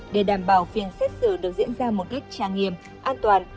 để đảm bảo phiên xét xử được diễn ra một cách trang nghiêm an toàn